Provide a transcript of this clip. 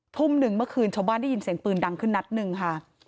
ทุ่มหนึ่งเมื่อคืนชาวบ้านได้ยินเสียงปืนดังขึ้นนัดหนึ่งค่ะ